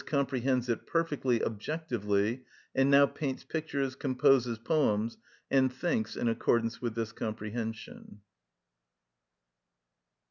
_, comprehends it perfectly objectively, and now paints pictures, composes poems, and thinks in accordance with this comprehension.